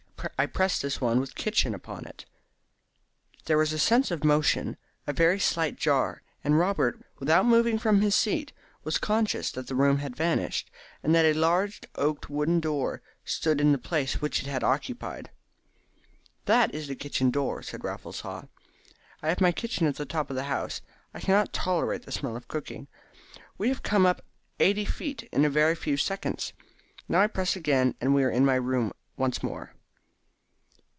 I press this one with 'Kitchen' upon it." There was a sense of motion, a very slight jar, and Robert, without moving from his seat, was conscious that the room had vanished, and that a large arched oaken door stood in the place which it had occupied. "That is the kitchen door," said Raffles Haw. "I have my kitchen at the top of the house. I cannot tolerate the smell of cooking. We have come up eighty feet in a very few seconds. Now I press again and here we are in my room once more."